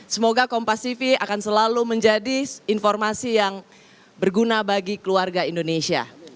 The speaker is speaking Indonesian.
semoga kompas cv akan selalu menjadi informasi yang berguna bagi keluarga indonesia